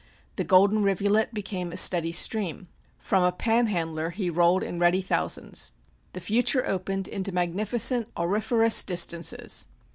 The golden rivulet became a steady stream. From a "panhandler" he rolled in ready thousands. The future opened into magnificent auriferous distances.